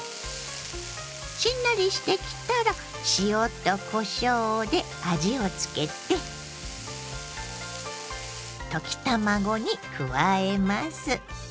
しんなりしてきたら塩とこしょうで味をつけて溶き卵に加えます。